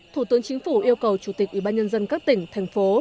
thủ tướng chính phủ yêu cầu chủ tịch ủy ban nhân dân các tỉnh thành phố